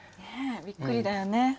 びっくりだよね。